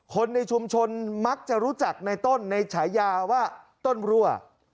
คนในชุมชนมักจะรู้จักในต้นในฉายาว่าต้นรั่ว